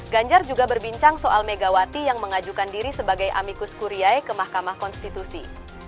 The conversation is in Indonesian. ganjar juga berbincang soal megawati yang mengajukan diri sebagai amikus kuriay ke mahkamah konstitusi